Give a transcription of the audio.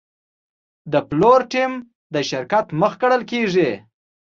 د پلور ټیم د شرکت مخ ګڼل کېږي.